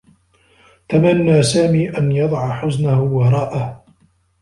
تمنّى سامي أن يضع حزنه وراءه.